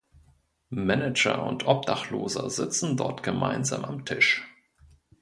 Manager und Obdachloser sitzen dort gemeinsam am Tisch.